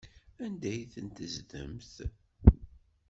Anda ay ten-teddzemt?